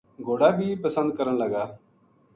گھوڑا بی پسند کرن لگا